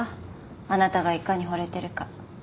あなたがいかにほれてるか。